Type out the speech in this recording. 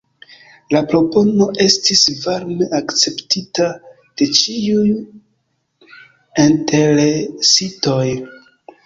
La propono estis varme akceptita de ĉiuj interesitoj.